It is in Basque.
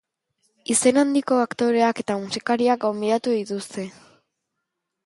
Izen handiko aktoreak eta musikariak gonbidatu dituzte.